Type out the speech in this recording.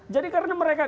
jadi karena mereka